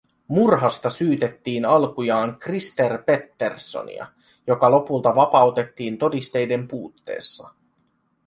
Murhasta syytettiin alkujaan Christer Petterssonia, joka lopulta vapautettiin todisteiden puutteessa